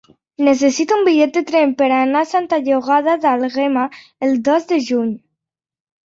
Necessito un bitllet de tren per anar a Santa Llogaia d'Àlguema el dos de juny.